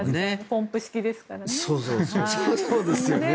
ポンプ式ですからね。